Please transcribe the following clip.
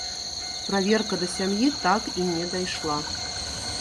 Праверка да сям'і так і не дайшла.